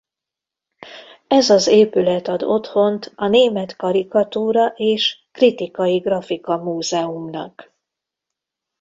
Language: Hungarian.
Ez az épület ad otthont a Német Karikatúra és Kritikai Grafika Múzeumnak.